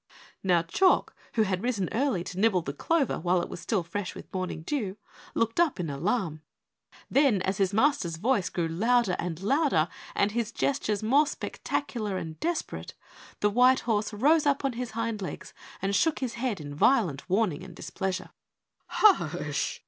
Now Chalk, who had risen early to nibble the clover while it was still fresh with morning dew, looked up in alarm, then as his Master's voice grew louder and louder and his gestures more spectacular and desperate, the white horse rose up on his hind legs and shook his head in violent warning and displeasure. "Hush!"